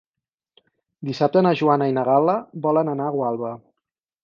Dissabte na Joana i na Gal·la volen anar a Gualba.